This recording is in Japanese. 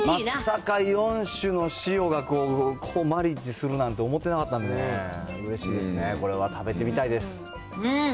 まさか４種の塩がマリッジするなんて思ってなかったんで、うれしいですね、これは食べてみたいです。